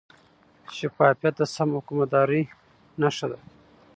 شفافیت د سم حکومتدارۍ نښه ده.